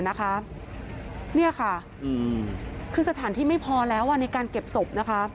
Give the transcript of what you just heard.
นี่ค่ะคือสถานที่ไม่พอแล้วในการเก็บศพนะคะ